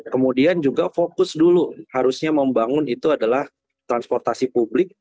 kemudian juga fokus dulu harusnya membangun itu adalah transportasi publik